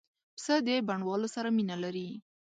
پسه د بڼوالو سره مینه لري.